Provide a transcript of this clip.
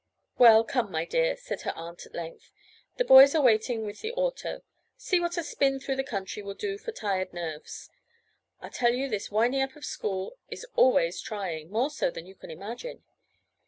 "Well, come, my dear," said her aunt at length. "The boys are waiting with the auto. See what a spin through the country will do for tired nerves. I tell you this winding up of school is always trying—more so than you can imagine.